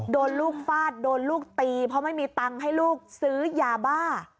โดนลูกฟาดโดนลูกตีเพราะไม่มีตังค์ให้ลูกซื้อยาบ้า